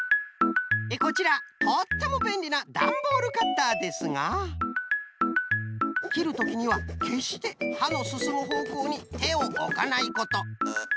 こちらとってもべんりなダンボールカッターですがきるときにはけっしてはのすすむほうこうにてをおかないこと！